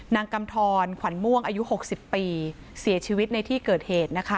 กำทรขวัญม่วงอายุ๖๐ปีเสียชีวิตในที่เกิดเหตุนะคะ